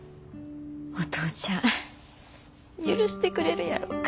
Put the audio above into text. お父ちゃん許してくれるやろか。